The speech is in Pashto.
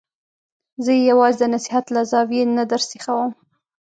زه یې یوازې د نصحت له زاویې نه درسیخوم.